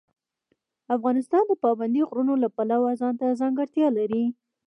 افغانستان د پابندي غرونو له پلوه ځانته ځانګړتیاوې لري.